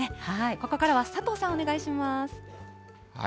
ここからは佐藤さん、お願いしま